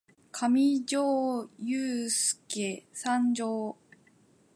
かみじょーゆーすーけ参上！